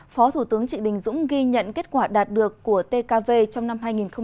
phó thủ tướng trị đình dũng ghi nhận kết quả đạt được của tkv trong năm hai nghìn một mươi chín